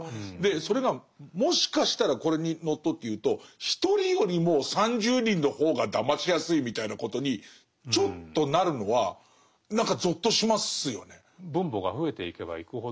それがもしかしたらこれにのっとって言うと１人よりも３０人の方がだましやすいみたいなことにちょっとなるのは何かぞっとしますよね。